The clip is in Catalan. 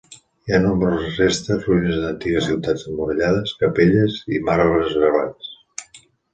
Hi ha nombroses restes, ruïnes d'antigues ciutats emmurallades, capelles, i marbres gravats.